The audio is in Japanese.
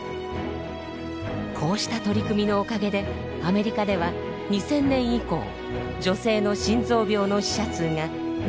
こうした取り組みのおかげでアメリカでは２０００年以降女性の心臓病の死者数が２０％以上減りました。